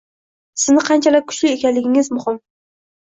Sizning qanchalar kuchli ekanliginiz muhim.